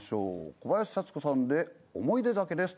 小林幸子さんで『おもいで酒』です。